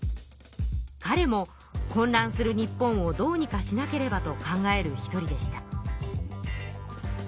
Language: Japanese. かれも混らんする日本をどうにかしなければと考える一人でした。